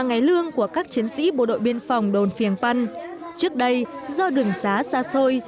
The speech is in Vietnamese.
ngày lương của các chiến sĩ bộ đội biên phòng đồn phiền păn trước đây do đường xá xa xôi